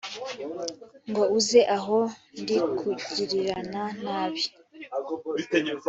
ngo uze aho ndi kugirirana nabi